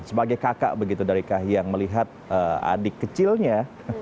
sebagai kakak begitu dari kak hiang melihat adik kecilnya